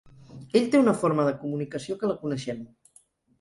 Ell té una forma de comunicació que la coneixem.